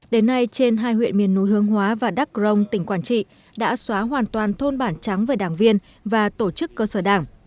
đến nay trên hai huyện miền núi hương hóa và đắk rông tỉnh quảng trị đã xóa hoàn toàn thôn bản trắng về đảng viên và tổ chức cơ sở đảng